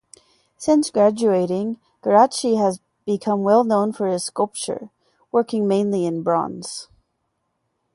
Since graduating, Geraci has become well known for his sculpture, working mainly in bronze.